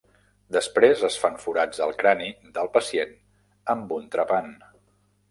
Després es fan forats al crani del pacient amb un trepant.